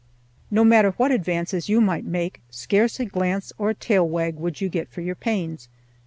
No matter what advances you might make, scarce a glance or a tail wag would you get for your pains.